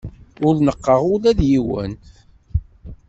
Ur neɣɣeɣ ula d yiwen.